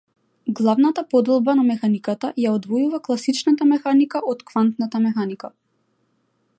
Главната поделба на механиката ја одвојува класичната механика од квантната механика.